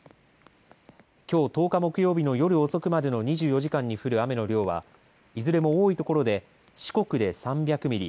きょう１０日木曜日の夜遅くまでの２４時間に降る雨の量はいずれも多いところで四国で３００ミリ